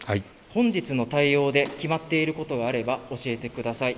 本日の対応で決まっていることがあれば教えてください。